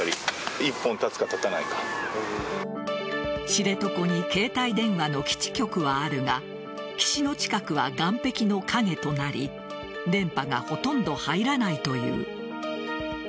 知床に携帯電話の基地局はあるが岸の近くは岸壁の陰となり電波がほとんど入らないという。